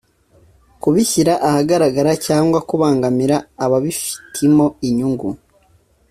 Kubishyira ahagaragara cyangwa kubangamira ababifitimo inyungu